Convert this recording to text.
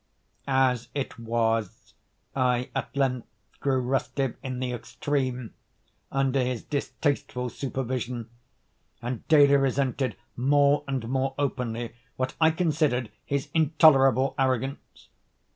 As it was, I at length grew restive in the extreme under his distasteful supervision, and daily resented more and more openly what I considered his intolerable arrogance.